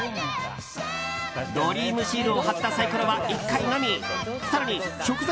ドリームシールを貼ったサイコロは１回のみ。